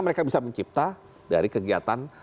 mereka bisa mencipta dari kegiatan